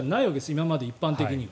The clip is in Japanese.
今まで一般的には。